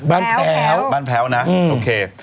บ้านแพ้วบ้านแพ้วบ้านแพ้วนะโอเค